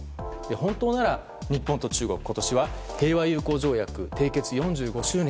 本当なら日本と中国、今年は平和友好条約締結４５周年。